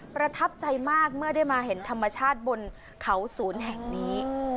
ประทับใจมากเมื่อได้มาเห็นธรรมชาติบนเขาศูนย์แห่งนี้